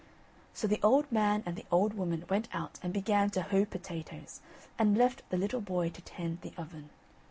So the old man and the old woman went out and began to hoe potatoes, and left the little boy to tend the oven.